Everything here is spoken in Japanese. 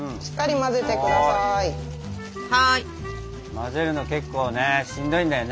混ぜるの結構ねしんどいんだよね。